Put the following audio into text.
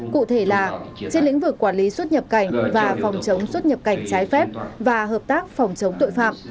cụ thể là trên lĩnh vực quản lý xuất nhập cảnh và phòng chống xuất nhập cảnh trái phép và hợp tác phòng chống tội phạm